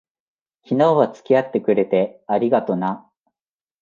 昨日は付き合ってくれて、ありがとな。